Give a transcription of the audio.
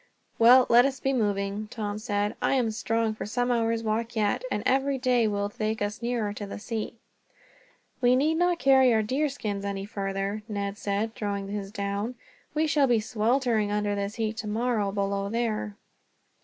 "Well, let us be moving," Tom said. "I am strong for some hours' walking yet, and every day will take us nearer to the sea." "We need not carry our deer skins any farther," Ned said, throwing his down. "We shall be sweltering under the heat tomorrow, below there."